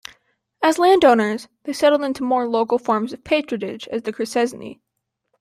As landowners, they settled into more local forms of patronage, as the Crescenzi.